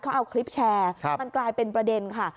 เขาเอาคลิปแชร์มันกลายเป็นประเด็นค่ะ